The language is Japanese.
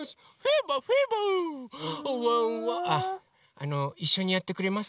あのいっしょにやってくれますか？